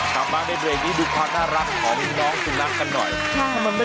กลับมาในเบรกนี้ดูความน่ารักของน้องสุนัขกันหน่อย